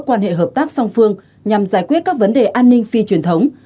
quan hệ hợp tác song phương nhằm giải quyết các vấn đề an ninh phi truyền thống